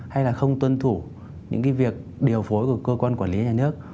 hay là không tuân thủ những cái việc điều phối của cơ quan quản lý nhà nước